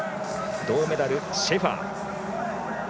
銅メダル、シェファー。